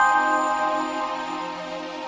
gak bisa sih